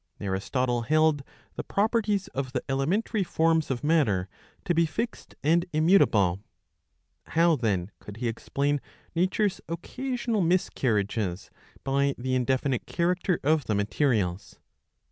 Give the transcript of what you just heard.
Aristotle held the properties of the elementary forms of matter to be fixed and immutable. How, then, could he explain Nature's occasional miscarriages by the indefinite character of the materials